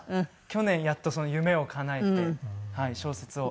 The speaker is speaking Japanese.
去年やっとその夢をかなえて小説を。